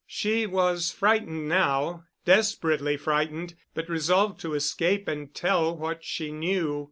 She was frightened now, desperately frightened, but resolved to escape and tell what she knew.